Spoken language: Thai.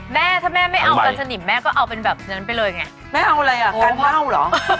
แม่ถ้าแม่ไม่เอากันสนิมแม่ก็เอาเป็นแบบนั้นไปเลยไงแม่เอาอะไรอ่ะการเผ่าเหรอ